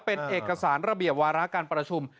เป็นเอกสารระเบียบวาระการประชุม